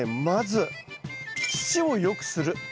まず土を良くする。